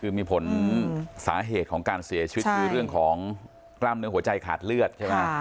คือมีผลสาเหตุของการเสียชีวิตคือเรื่องของกล้ามเนื้อหัวใจขาดเลือดใช่ไหม